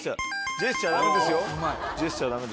ジェスチャーダメですよ。